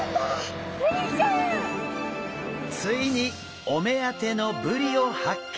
ついにお目当てのブリを発見！